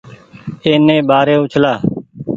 اي ني ٻآري اُڇلآ۔